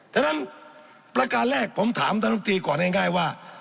ฉะนั้นประการแรกผมถามท่านลำตีก่อนง่ายว่า